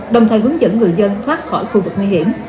đồng thời hướng dẫn người dân thoát khỏi khu vực nguy hiểm